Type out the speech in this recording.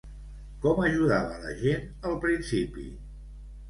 Com ajudava la gent al principi?